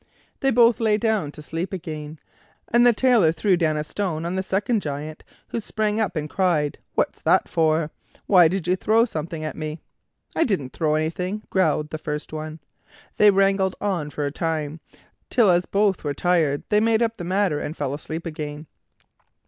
They both lay down to sleep again, and the Tailor threw down a stone on the second Giant, who sprang up and cried: "What's that for? Why did you throw something at me?" "I didn't throw anything," growled the first one. They wrangled on for a time, till as both were tired, they made up the matter and fell asleep again.